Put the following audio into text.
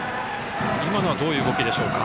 今のはどういう動きでしょうか。